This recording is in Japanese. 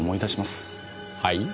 はい？